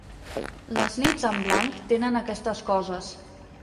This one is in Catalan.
Les nits en blanc tenen aquestes coses.